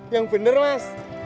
yang bener mas